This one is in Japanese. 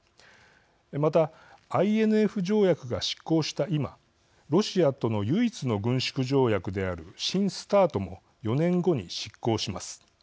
また、ＩＮＦ条約が失効した今ロシアとの唯一の軍縮条約である新ＳＴＡＲＴも４年後に失効します。